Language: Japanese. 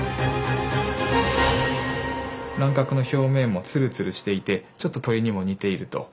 卵殻の表面もツルツルしていてちょっと鳥にも似ていると。